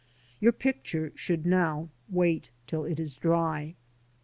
Your picture should now wait till it is dry.